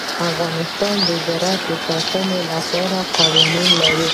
افغانستان د زراعت د ساتنې لپاره قوانین لري.